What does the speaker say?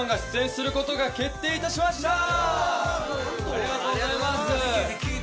ありがとうございます。